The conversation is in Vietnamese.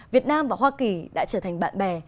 việt nam và hoa kỳ đã trở thành bạn bè